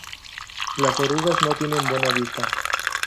Las orugas no tienen buena vista.